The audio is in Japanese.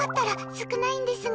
少ないんですが。